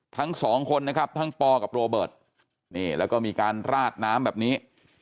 ทั้งสองคนนะครับทั้งปอกับโรเบิร์ตนี่แล้วก็มีการราดน้ำแบบนี้